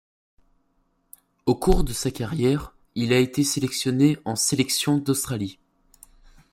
Au cours de sa carrière, il a été sélectionné en sélection d'Australie.